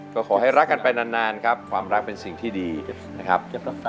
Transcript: ก็ขอให้รักกันไปนานครับความรักเป็นสิ่งที่ดีนะครับ